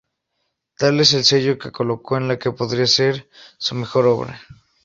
Tal es el sello que colocó en la que podría ser su mejor obra.